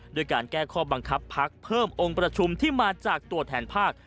ด้วยการแก้ข้อบังคับพักเพิ่มองค์ประชุมที่มาจากตัวแทนภาค